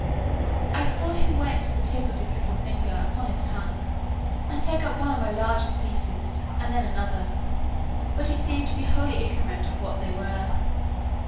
I saw him wet the tip of his little finger upon his tongue, and take up one of my largest pieces, and then another; but he seemed to be wholly ignorant what they were.